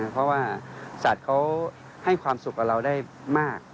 เพราะว่าสัตว์เขาให้ความสุขกับเราได้มาก